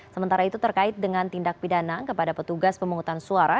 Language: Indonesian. sementara itu terkait dengan tindak pidana kepada petugas pemungutan suara